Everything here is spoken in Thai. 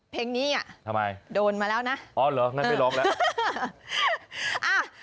เพลงนี้อ่ะทำไมโดนมาแล้วนะอ๋อเหรอนั่นไม่ร้องแล้ว